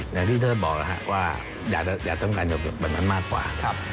อย่างที่ท่านบอกแล้วครับว่าอย่าต้องการแบบนั้นมากกว่า